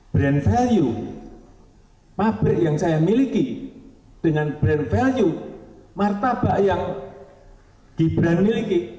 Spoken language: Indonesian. brand value pabrik yang saya miliki dengan brand value martabak yang gibran miliki